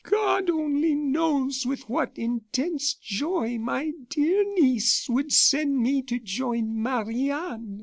"God only knows with what intense joy my dear niece would send me to join Marie Anne."